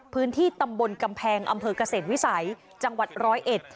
พื้นที่ตำบลกำแพงอำเภอกเกษตรวิสัยจังหวัดร้อยเอ็ด